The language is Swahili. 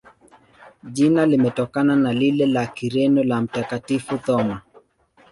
Jina limetokana na lile la Kireno la Mtakatifu Thoma.